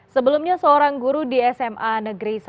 sebelumnya seorang guru di sma negeri satu